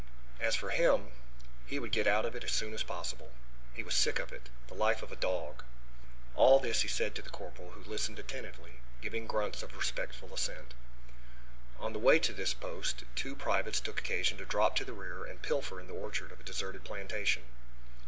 As for him he would get out of it as soon as possible; he was sick of it; the life of a dog. All this he said to the corporal, who listened attentively, giving grunts of respectful assent. On the way to this post two privates took occasion to drop to the rear and pilfer in the orchard of a deserted plantation.